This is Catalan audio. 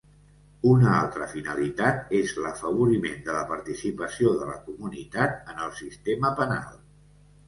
Una altra finalitat és l'afavoriment de la participació de la comunitat en el sistema penal.